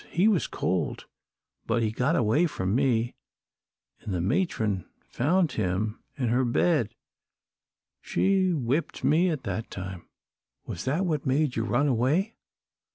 He was cold, but he got away from me, an' the matron found him in her bed. She whipped me that time." "Was that what made you run away?"